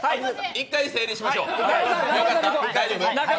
１回整理しましょう、大丈夫？